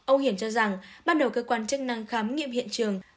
ông hiển cho rằng ban đầu cơ quan chức năng khám nghiệm hiện trường